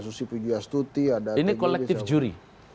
susi pijuastuti ada ini kolektif juri